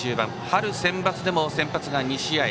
春センバツでも先発が２試合。